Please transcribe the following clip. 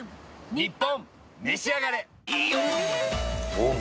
『ニッポンめしあがれ』。